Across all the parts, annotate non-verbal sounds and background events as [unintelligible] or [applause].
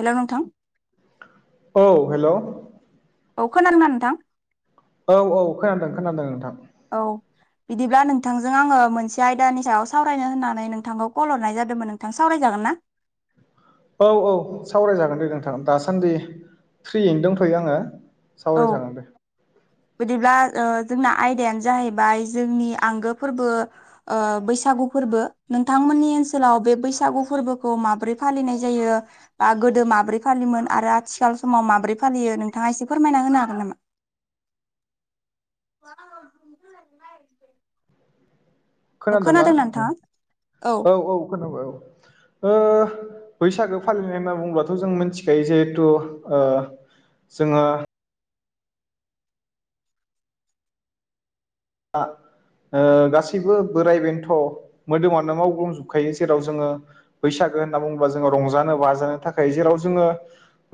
हेल' नोंथां औ हेल' औ खोनादों ना नोंथां औ औ खोनादों खोनादों नोंथां औ बिदिब्ला नोंथांजों आङो मोनसे आयदानि सायाव सावरायनो होननानै नोंथांखौ कल हरनाय जादोंमोन नोंथां सावरायजागोन ना औ औ सावरायजागोन दे नोंथां दासान्दि फ्रियिनो दंथ'यो आङो सावराय औ जागोन दे बिदिब्ला ओ जोंना आयदायानो जाहैबाय जोंनि आंगो फोरबो ओ बैसागु फोरबो नोंथांमोननि ओनसोलाव बे बैसागु फोरबोखौ माब्रै फालिनाय जायो बा गोदो माब्रै फालियोमोन आरो आथिखाल समाव माबोरै फालियो नोंथाङा इसे फोरमायना होनो हागोन नामा [unintelligible] औ खोनादोंना? नोंथाङा [unintelligible] औ ओ बैसागो फालिनाय होनना बुङोबथ' जों मिथिखायो जिहेथु ओ जोङो आ ओ गासिबो बोराइ बेन्थ' मोदोमानो मावग्लुंजोबखायो जेराव जोङो बैसागो होनना बुङोबा जोङो रंजानो बाजानो थाखाय जेराव जोङो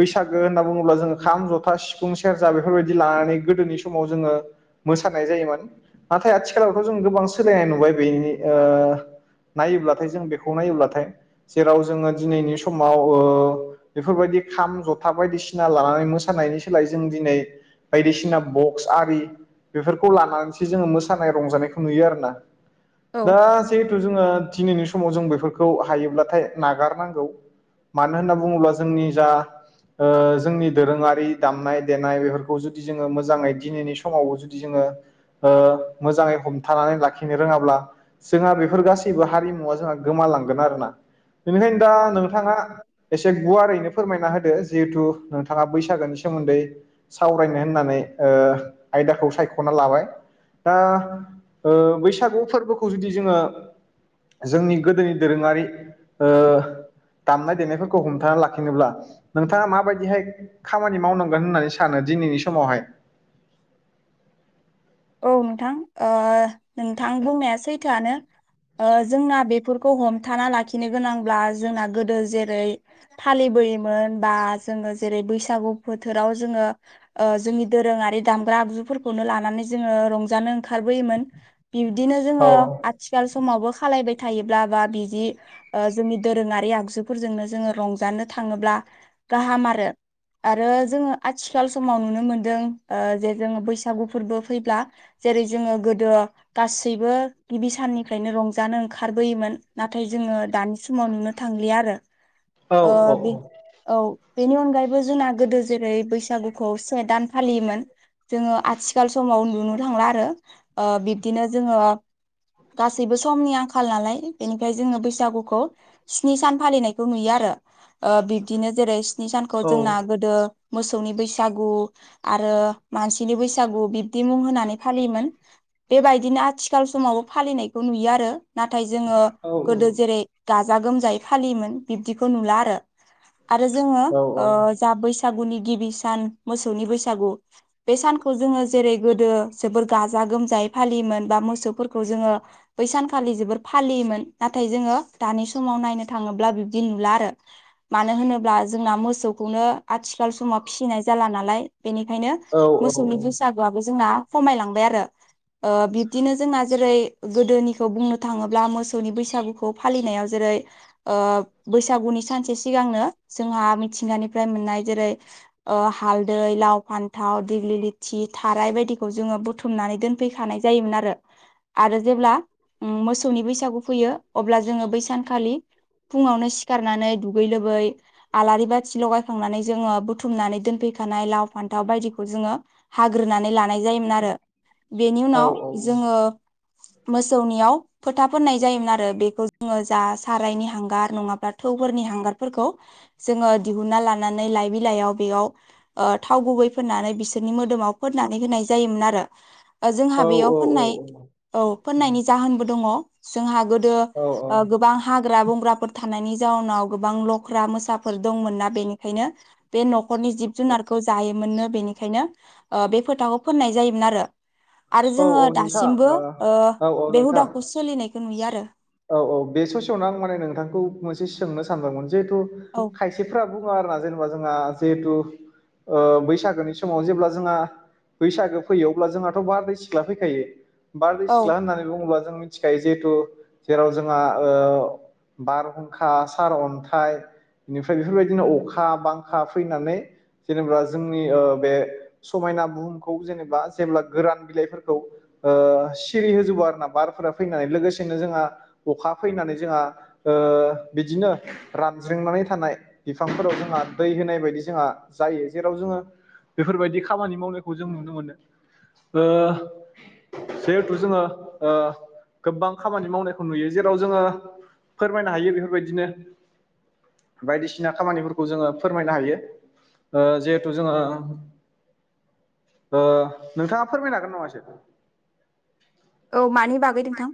बैसागो होनना बुङोब्ला जोङो खाम जथा सिफुं सेरजा बेफोरबायदि लानानै गोदोनि समाव जोङो मोसानाय जायोमोन नाथाय आथिखालावथ' जों गोबां सोलायनाय नुबाय बेनि ओ नायोब्लाथाय जों बेखौ नायोब्लाथाय जेराव जोंङो दिनैनि समाव ओ बेफोरबायदि खाम जथा बायदिसिना लानानै मोसानायनि सोलाय जों दिनै बायदिसिना बक्स आरि बेफोरखौ लानानै जो मोसानाय रंजानायखौ नुयो आरोना औ दा जिहेथु जोंङो दिनैनि समाव जों बेफोरखौ हायोब्लाथाय नागारनांगौ मानो होनना बुङोब्ला जोंनि जा जोंनि दोरोङारि दामनाय देनाय बेफोरखौ जुदि जोंङो मोजांङै दिनैनि समावबो जुदि जोंङो ओ मोजाङै हमथानानै लाखिनो रोङाब्ला जोंहा बेफोर गासैबो हारिमुवा जोंहा गोमालांगोन आरोना बिनिखायनो दा नोंथाङा एसे गुवारैनो फोरमायना होदो जिहेथु नोंथाङा बैसागोनि सोमोन्दै सावरायनो होननानै ओ आयदाखौ सायख'ना लाबाय दा ओ बैसागु फोरबोखौ जुदि जोङो जोंनि गोदोनि दोरोङारि ओ दामनाय देनायफोरखौ हमथा लाखिनोब्ला नोंथाङा माबायदिहाय खामानि मावनांगोन होननानै सानो दिनैनि समावहाय औ नोंथां ओ नोंथां बुंनाया सैथोआनो। जोंना बेफोरखौ हमथाना लाखिनो गोनांब्ला जोंना गोदो जेरै फालिबोयोमोन बा जोङो जेरै बैसागु बोथोराव जोङो जोंनि दोरोङारि दामग्रा आगजुफोरखौनो लानानै जो रंजानो ओंखारबोयोमोन बिब्दिनो औ जोंङो सिखाल समावबो खालायबाय थायोब्ला बा बिदि जोंनि दोरोंङारि आगजुफोरजोंनो जोंङो रंजानो थांङोब्ला गाहाम आरो आरो जोंङो आथिखाल समाव नुनो मोनदों जे जोंङो बैसागु फोरबो फैब्ला जेरै जोंङो गोदो गासैबो गिबि साननिफ्रायनो रंजानो ओंखारबोयोमोन नाथाय जोंङो दानि समाव नुनो थांलिया आरो औ औ बे औ बेनि अनगायैबो जोंना गोदो जेरै बैसागुखौ से दान फालियोमोन जोंङो आथिखाल समाव नुनो थांला आरो बिब्दिनो जोंङो गासैबो समनि आंखाल नालाय बेनिफ्राय जोंङो बैसागुखौ स्नि सान फालिनायखौ नुयो आरो बिब्दिनो जेरै नि सानखौ औ जोंना गोदो मोसौनि बैसागु आरो मानसिनि बैसागु बिदि मुं होनानै फालियोमोन बेबायदिनो आथिखाल समावबो फालिनायखौ नुयो आरो नाथाय जोंङो गोदो जेरै गाजा गोमजायै फालियोमोन बिब्दिखौ नुला आरो आरो जोंङो औ जा बैसागुनि गिबि सान मोसौनि बैसागु बे सानखौ जोंङो जेरै गोदो जोबोर गाजा गोमजायै फालियोमोन बा मोसौफोरखौ जोंङो बै सानखालि जोबोर फालियोमोन नाथाय जोंङो दानि समाव नायनो थांङोब्ला बिब्दि नुला आरो मानो होनोब्ला जोंना मोसौखौनो आथिखाल समाव फिसिनाय जाला नालाय बेनिखायनो मोसौनि बैसागोआबो जोंना खमायलांबाय आरो बिब्दिनो जोंना जेरै गोदोनिखौ बुंनो थांङोब्ला मोसौनि बैसागुखौ फालिनायाव जेरै बैसागुनि सानसे सिगांनो जोंहा मिथिंगानिफ्राय मोननाय जेरै हालदै लाव फान्थाव दिग्लि ल थि थाराय बायदिखौ जोंङो बुथुमनानै दोनफैखानाय जायोमोन आरो आरो जेब्ला मोसौनि बैसागु फैयो अब्ला जोंङो बैसानखालि फुङावनो सिखारनानै दुगै लोबै आलारि बाथि लगायखांनानै जोंङो बुथुमनानै दोनफैखानाय लाव फान्थाव बायदिखौ जोंङो हाग्रोनानै लानाय जायोमोन आरो बेनि उनाव जोंङो मोसौनियाव फोथा फोननाय जायोमोन आरो बेखौ जोङो जा सारायनि हांगार नङाब्ला थौफोरनि हांगारफोरखौ जोङो दिहुना लानानै लाइ बिलाइयाव बेयाव ओ थाव गुबै फोननानै बिसोरनि मो मोदोमाव फोननानै होनाय जायोमोन आरो जोंहा बेयाव फोननाय औ फोननायनि जाहोनबो दङ' जोंहा गोदो औ औ ओ गोबां हाग्रा बंग्राफोर थानायनि जाउनाव गोबां लख्रा, मोसाफोर दंमोनना बेनिखायनो बे न'खरनि जिब जुनारखौ जायोमोननो बेनिखायनो ओ बे फोथाखौ फोननाय जायोमोन आरो। आरो औ जोङो औ नोंथां दासिमबो ओ औ औ बे नोंथां हुदाखौ सोलिनायखौ नुयो आरो। औ औ बे ससेयावनो आं माने नोंथांखौ मोनसे सोंनो सानदोंगौमोन जिहेथु औ खायसेफोरारा बुङो आरोना जेनेबा जोंहा जहेथु बैसागोनि समाव जेब्ला जोंहा बैसागो फैयो अब्ला जोंहाथ बारदै सिख्ला फैखायो बारदै औ सिख्ला होननानै बुङोब्ला जों मिथिखायो जिहेतु जेराव जोंहा बारहुंखा सार अन्थाइ बेनिफ्राय बेफोरबायदिनो अखा बांखा फैनानै जेनेबा जोंनि बे समायना बुहुमखौ जेनेबा जेब्ला गोरान बिलाइफोरखौ ओ सिरि होजोबो आर ना बारफोरा फैनानै लोगोसेनो जोंहा अखा फैनानै जोंहा ओ बिदिनो रानज्रिंनानै थानाय बिफांफोराव जोंहा दै होनाय बायदि जोंहा जायो जेराव जोङो बेफोरबायदि खामानि मावनायखौ जों नुनो मोनो। ओ जिहेथु जोङो ओ गोबां खामानि मावनाय खौ नुयो जेराव जोङो फोरमायनो हायो। बेफोरबायदिनो बायदिसिना खामानिफोरखौ जोङो फोरमायनो हायो। ओ जिहेथु जोङो ओ नोंथाङा फोरमायनो हागोन नामा एसे? औ मानि बागै नोंथां?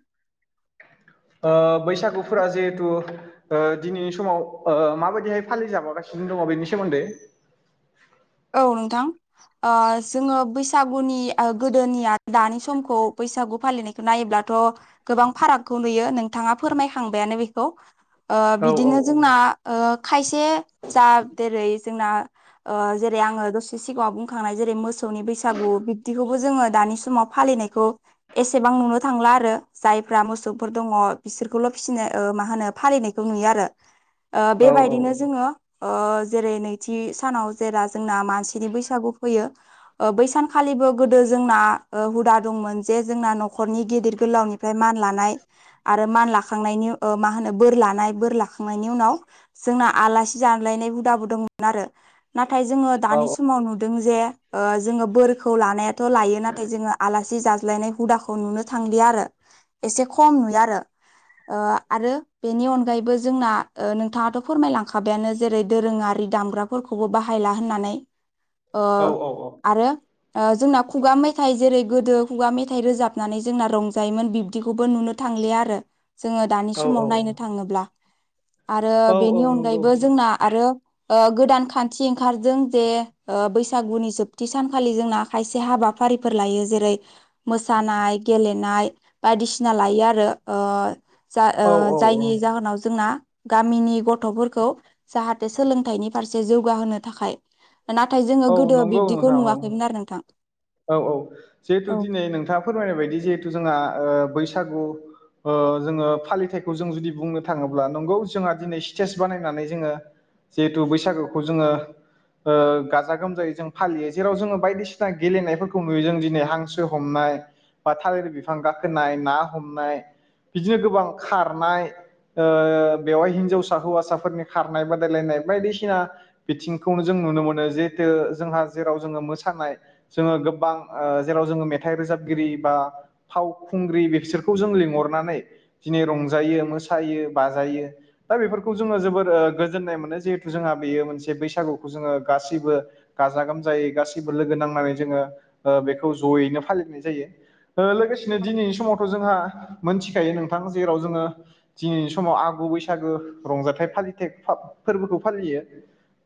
ओ बैसागुफोरा जिहेथु ओ दिनैनि समाव ओ माबायदिहाय फालि जाबोगासिनो दङ' बेनि सोमोन्दै औ नोंथां। ओ जोङो बैसागुनि ओ गोदोनिया दानि समखौ बैसागु फालिनाय नायोब्लाथ' गोबां फारागखौ नुयो नोंथाङा फोरमायखांबायानो बेखौ। ओ औ औ बिदिनो जोंना ओ खायसे जा जेरै जोंना ओ जेरै आङो दसे सिगाङाव बुंखांनाय जेरै मोसौनि बैसागु बिब्दिखौबो जोङो दानि समाव फालिनायखौ एसेबां नुनो थांला आरो जायफ्रा मोसौफोर दङ बिसोरखौल' फिसिनो ओ मा होनो फालिनाय खौ नुयो आरो। ओ औ बेबायदिनो जोङो ओ जेरै नैथि सानाव जेरा जोंना मानसिनि बैसागु फैयो ओ बैसानखालिबो गोदो जोंना ओ हुदा दंमोन जे जोंना न'खरनि गिदिर गोलावनि फ्राय मान लानाय आरो मान लाखांनायनि ओ मा होनो बोर लानाय बोर लाखांनायनि उनाव जोंना आलासि जानलायनाय हुदाबो दंमोन आरो। नाथाय जोङो दानि समाव नुदों जे ओ जोङो बोरखौ लानाया थ' लायो नाथाय जोङो आलासि जाज्लायनाय हुदाखौ नुनो थांलिया आरो एसे खम नुयो आरो। ओ आरो बेनि अनगायैबो जोंना ओ नोंथाङाथ' फोरमायलांखाबायानो जेरै दोरोङारि दामग्राफोरखौबो बाहायला होननानै ओ औ आरो ओ जोंना खुगा मेथाइ जेरै गोदो खुगा मेथाइ रोजाबनानै जोंना रंजायोमोन बिब्दिखौबो नुनो थांलिया आरो जोङो दानि समाव नायनो थाङोब्ला। आरो औ बेनि नंगौ अनगायैबो जोंना ओ आरो गोदान खान्थि ओंखारदों जे ओ बैसागुनि जोबथि सानखालि जोंना खायसे हाबाफारिफोर लायो जेरै मोसानाय गेलेनाय बायदिसिना लायो आरो ओ ओ औ औ जायनि जाहोनाव जोंना गामिनि गथ'फोरखौ जाहाथे सोलोंथाइनि फारसे जौगाहोनो थाखाय नाथाय जों औ नंगौ नोंथां औ औ औ जिहेथु औ दिनै नोंथाङा फोरमायनाय बायदि जिहेथु जोंहा ओ बैसागु ओ जोङो फालिथायाइखौ जों जुदि बुंनो थाङोब्ला नंगौ जोंहा दिनै स्टेज बानायनानै जोङो जिहेथु बैसागुखौ जोङो ओ गा गाजा-गोमजायै जों फालियो जेराव जोङो बायदिसिना गेलेनायफोरखौ नुयो जों दिनै हांसो हमनाय बा थालिर बिफां गाखोनाय ना हमनाय बिदिनो गोबां खारनाय ओ बेवहाय हिन्जावसा हौवासाफोरनि खारनाय बादायलायनाय बायदिसिना बिथिंखौनो जों नुनो मोनो जिहेथु जोंहा जेराव जोङो मोसानाय जोङो गोबां ओ जेराव जोङो मेथाइ रोजाबगिरि बा फावखुंग्रि बिसोरखौ जों लिंहरनानै दिनै रंजायो मोसायो बाजायो। दा बेफोरखौ जोङो जोबोर ओ गोजोन्नाय मोनो, जिहेथु जोंहा बेयो मोनसे बैसागुखौ जोङो गासैबो गाजा गोमजायै गासिबो लोगो नांनानै जोङो ओ बेखौ ज'यैनो फालिनाय जायो। ओ लोगोसेनो दिनैनि समावथ' जोंहा मोनथिखायो नोंथां जेराव जोङो दिनिनि समाव आगु बैसागो रंजाथाइ फालिथाय फा-फोरबोखौ फालियो।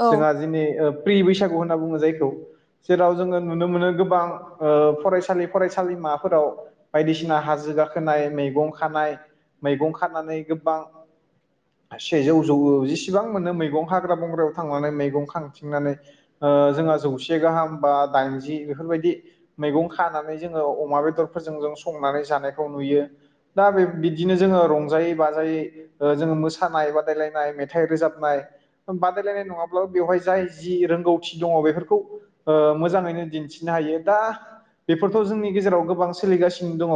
औ जोंहा दिनि ओ फ्रि बैसागु होनना बुङो जायखौ। जेराव जोङो नुनो मोनो गोबां ओ फरायसालि फरायसालि माबाफोराव बायदिसिना हाजो गाखोनाय मैगं खानाय मैगं खानानै गोबां सेजौ [unintelligible] जेसेबां मोनो मैगं हाग्रा बंग्रायाव थांनानै मैगं खांथिंनानै ओ जोंहा जौसे गाहाम बा दाइनजि बेफोरबायदि मैगं खानानै जोंङो अमा बेदरफोरजों जों संनानै जानायखौ नुयो। दा बिदिनो जोंङो रंजायै-बाजायै ओ जोंङो मोसानाय बादायलायनाय, मेथाइ रोजाबनाय बादायलायनाय नंङाब्लाबो बेवहाय जाय जि रोंगौथि [unintelligible] बेफोरखौ ओ मोजाङैनो दिन्थिनो हायो दा बेफोरथ' जोंनि गेजेराव गोबां सोलिगासिनो दंङ'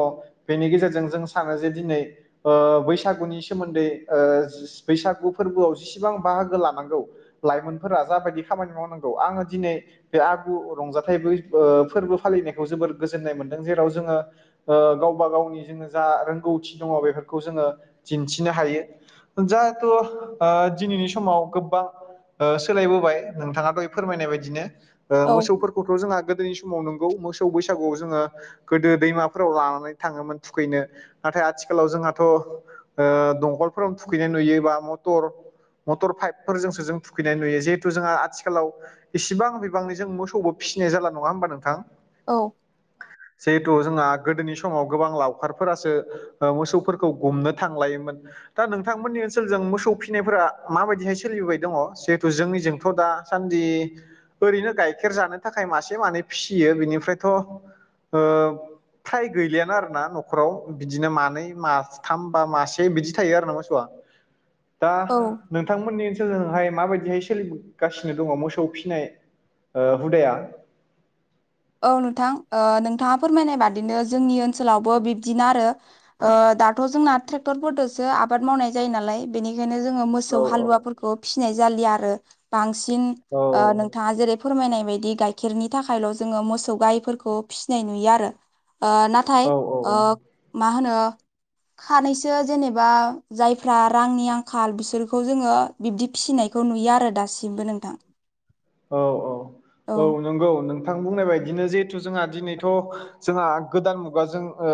बेनि गेजेरजों जों सानो जे दिनै ओ बैसागुनि सोमोन्दै ओ बैसागु फोरबोआव जेसेबां बाहागो लानांगौ लाइमोनफोरा जाबायदि खामानि मावनांगौ खौ आंङो दिनै बे आगु रंजाथाइ फोरबो फालिनायखौ जोबोर गोजोननाय मोन्दों जेराव जोंङो। ओ गावबा गावनि जोंङो जा रोंगौथि दंङ' बेफोरखौ जोंङो दिन्थिनो हायो। जाहेथु दिनैनि समाव गोबां सोलायबोबाय नोंथाङाथ' फोरमायनाय बायदिनो ओ औ मोसौफोरखौथ' जोंहा गोदोनि समाव नंगौ मोसौ बैसागुआव जोंङो गोदो दैमाफोराव लानानै थांङोमोन थुखैनो नाथाय आथिखालाव जोंहाथ' ओ दंखलफोराव थुखैनाय नुयो बा मटर मटर पाइपफोरजोंसो जों थुखैनाय नुयो। जिहेथु जोंहा आथिखालाव इसिबां बिबांनि जों मोसौबो फिसिनाय जाला नंङा होमबा नोंथां‌। औ। जिहेथु जोंहा गोदोनि समाव गोबां लावखारफोरासो ओ मोसौफोरखौ गुमनो थांलायोमोन। दा नोंथांमोननि ओनसोलजों मोसौ फिसिनायफोरा माबायदिहाय सोलिबोबाय दंङ जिहेथु जोंनिजोंथ' दा दासान्दि ओरैनो गाइखेर जानो थाखाय मासे मानै फिसियो बिनिफ्रायथ' ओ। फ्राय गैलियानो आर ना न'खराव बिदिनो मानै माथाम बा मासे बिदि थायो आरो ना मोसौआ [inaudible] दा औ नोंथांमोननि ओनसोलजोंहाय माबायदिहाय सोलिगासिनो दंङ' मोसौ फिसि फिनाय ओ हुदाया औ नोंथां। ओ नोंथांङा फोरमायनाय बादिनो जोंनि ओनसोलावबो बिबदिनो आरो ओ दाथ' जोंना ट्रेक्टरफोरदसो आबाद मावनाय जायो नालाय। बेनिखायनो जोंङो मोसौ औ औ हालुवाफोरखौ फिसिनाय जालि आरो बांसिन औ नोंथांङा जेरै फोरमायनाय बायदि गाइखेरनि थाखायल। जोंङो मोसौ गायफोरखौ फिसिनाय नुयो आरो ओ-नाथाय औ औ ओ औ मा होनो। खानैसो जेनेबा जायफ्रा रांनि आंखाल बिसोरखौ जोंङो। बिब्दि फिसिनायखौ नुयो आरो दासिमबो नोंथां। औ औ औ नंगौ नोंथां बुंनाय बायदिनो जिहेथु जोंहा दिनैथ जोंहा गोदान मुगाजों ओ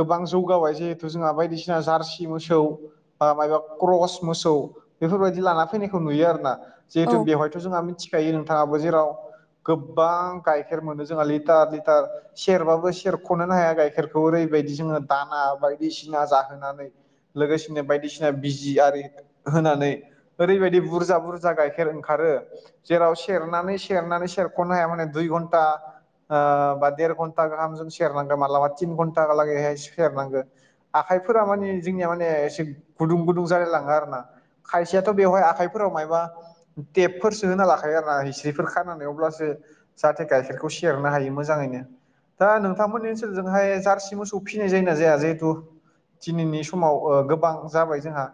गोबां जौगाबाय जिहेथु जोंहा बायदिसिना जारसि मोसौ। ओ माबबा क्रस मोसौ बेफोरबायदि लाना फैनायखौ नुयो आरो ना। जिहेथु औ बेवहायथ' जोंहा मिथिखायो नोंथांङाबो जेराव गोबां गाइखेर मोनो जोंहा लिटार लिटार सेरबाबो सेरखनोनो हाया गाइखेर बे ओरैबायदि जोंङो दाना बायदिसिना जाहोनानै लोगोसेनो बायदिसिना बिजि आरि होनानै ओरैबायदि बुरजा बुरजा गाइखेर ओंखारो। जेराव सेरनानै सेरनानै सेरख'नो हाया माने दुइ घन्टा। ओ बा देर घन्टा गाहामजों सेरनांगो मालाबा तिन घन्टालागैहाय सेर नांगोन। आखाइफोरा माने जोंनिया माने एसे गुदुं गुदुं जालाय लांङो आरो ना। खायसेयाथ बेवहाय आखाइफोराव मायबा थेबफोर होना लाखायो आरो ना हिस्रिफोर खनानै अब्लासो जाहाथे गाइखेरखौ सेरनो हायो मोजांङैनो। दा नोंथांमोननि ओनसोलजोंहाय जार्सि मोसौ फिनाय जायो ना जाया जिहेथु। दिनैनि समाव गोबां जाबाय जोंहा।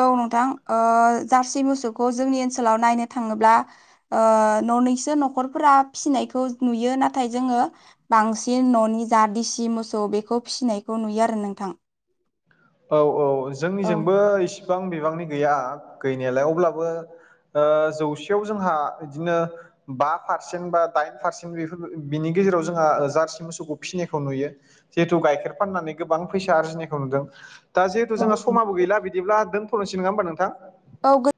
औ नोंथां ओ-जारसि मोसौखौ जोंनि ओनसोलाव नायनो थाङोब्ला। ओ-ननैसो नखरफोरा फिनायखौ नुयो नाथाय जोङो। बांसिन ननि जा दिेसि मोसौ बेखौ फिसिनायखौ नुयो आरो नोंथां। औ औ औ जोंनिजोंबो इसिबां बिबांनि गैया गैनायालाय अब्लाबो। जौसेयाव जोंहा इदिनो। बा पारसेन्ट बा दाइन पारसेन्ट बेफोर बिनि गेजेराव जोंहा जार्सि मोसौखौ फिसिनायखौ नुयो। जिहेतु गाइखेर फाननानै गोबां फैसा आरजिनायखौ नुदों। दा जिहेथु औ जोंहा समाबो गैला बिदिब्ला दोनथनसै नङ होमबा नोंथां। औ गो